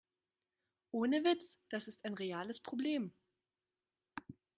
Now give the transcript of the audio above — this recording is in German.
Ohne Witz, das ist ein reales Problem.